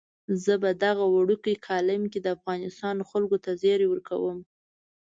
زه په دغه وړوکي کالم کې د افغانستان خلکو ته زیری ورکوم.